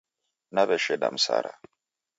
Naw'esheda msara